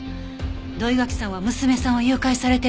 土居垣さんは娘さんを誘拐されてるのよ。